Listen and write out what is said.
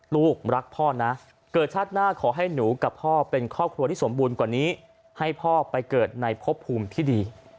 ลูกรักพ่อนะเกิดชาติหน้าขอให้หนูกับพ่อเป็นครอบครัวที่สมบูรณ์กว่านี้ให้พ่อไปเกิดในพบภูมิที่ดี